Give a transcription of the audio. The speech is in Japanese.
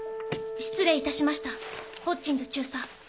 失礼いたしましたホッジンズ中佐。